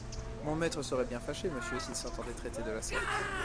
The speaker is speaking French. Mon maître serait bien fâché, monsieur, s’il s’entendait traiter de la sorte.